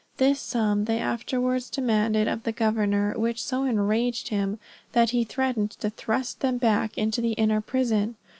This sum they afterwards demanded of the governor, which so enraged him that he threatened to thrust them back into the inner prison.